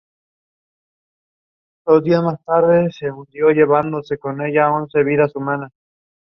Hoy en día se imparten cursos regulares de nivel inicial, primario y secundario.